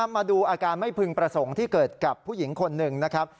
มาดูอาการไม่พึงประสงค์ที่เกิดกับผู้หญิงคนหนึ่งนะครับ